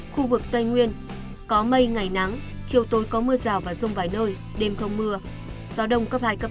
khu vực tây nguyên có mây ngày nắng chiều tối có mưa rào và rông vài nơi đêm không mưa gió đông cấp hai cấp bốn